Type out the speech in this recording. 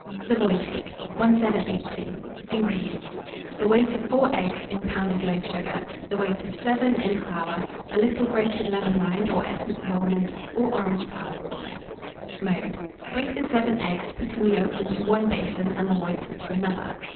SAVOY CAKE. 1782. INGREDIENTS. The weight of 4 eggs in pounded loaf sugar, the weight of 7 in flour, a little grated lemon rind, or essence of almonds, or orange flower water. Mode. Break the 7 eggs, putting the yolks into one basin and the whites into another.